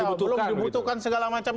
belum dibutuhkan segala macam